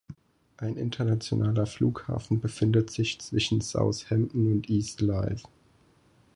Ein internationaler Flughafen befindet sich zwischen Southampton und Eastleigh.